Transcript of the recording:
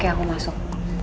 tapi aku gak mau masuk